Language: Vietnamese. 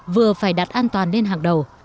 vừa phải đặt an toàn lên hàng đầu